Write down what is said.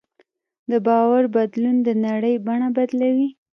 د باور بدلون د نړۍ بڼه بدلوي.